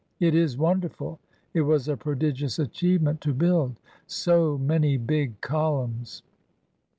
It is wonderful; it was a prodigious achievement to build so many big columns.